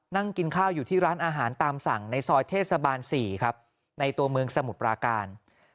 นั่งกินข้าวอยู่ที่ร้านอาหารตามสั่งในซอยเทศบาล๔ครับในตัวเมืองสมุทรปราการ